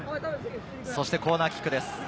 そしてコーナーキックです。